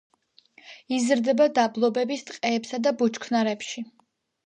იზრდება დაბლობების ტყეებსა და ბუჩქნარებში.